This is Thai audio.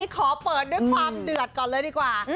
ขอเปิดด้วยความเดือดก่อนเลยดีกว่า